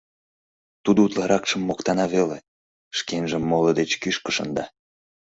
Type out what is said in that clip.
Тудо утларакшым моктана веле, шкенжым моло деч кӱшкӧ шында.